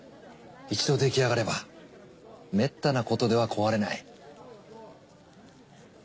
一度出来上がればめったなことでは壊れない。